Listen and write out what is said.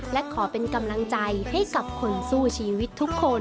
และขอเป็นกำลังใจให้กับคนสู้ชีวิตทุกคน